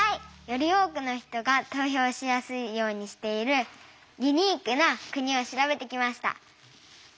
より多くの人が投票しやすいようにしているユニークな国を調べてきました。